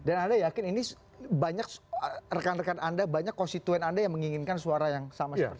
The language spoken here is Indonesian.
dan anda yakin ini banyak rekan rekan anda banyak konstituen anda yang menginginkan suara yang sama seperti ini